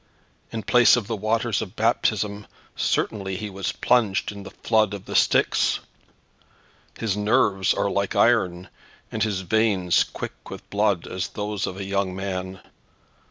In place of the waters of baptism, certainly he was plunged in the flood of the Styx. His nerves are like iron, and his veins quick with blood as those of a young man.